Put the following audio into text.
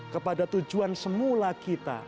kepada tujuan semula kita